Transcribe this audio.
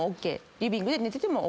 リビングで寝ててもＯＫ。